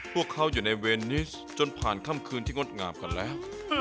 พวกเขาอยู่ในเวรนิสจนผ่านค่ำคืนที่งดงามกันแล้ว